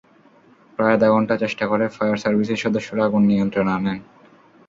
প্রায় আধা ঘণ্টা চেষ্টা করে ফায়ার সার্ভিসের সদস্যরা আগুন নিয়ন্ত্রণে আনেন।